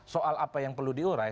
soal apa yang perlu diurai